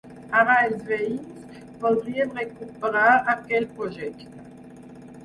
Ara els veïns voldrien recuperar aquell projecte.